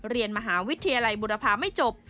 เรียนมหาวิทยาลัยบุรพาไม่จบ